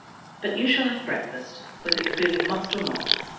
But you shall have breakfast, whether you feel you must or not.